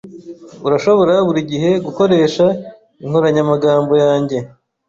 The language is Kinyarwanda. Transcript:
Urashobora buri gihe gukoresha inkoranyamagambo yanjye.